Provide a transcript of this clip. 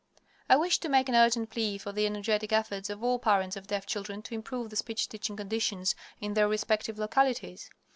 I wish to make an urgent plea for the energetic efforts of all parents of deaf children to improve the speech teaching conditions in their respective localities.